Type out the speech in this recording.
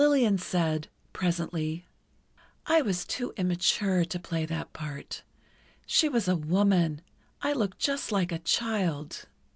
Lillian said, presently: "I was too immature to play that part. She was a woman. I looked just like a child."